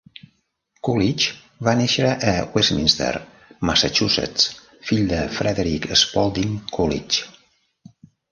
Coolidge va néixer a Westminster, Massachusetts, fill de Frederick Spaulding Coolidge.